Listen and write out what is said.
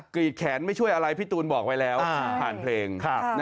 กรีดแขนไม่ช่วยอะไรพี่ตูนบอกไว้แล้วผ่านเพลง